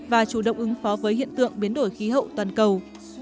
và chủ động ứng phó với hiện tượng biến đổi khí hậu toàn cầu